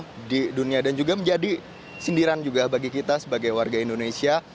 jadi dunia dan juga menjadi sindiran juga bagi kita sebagai warga indonesia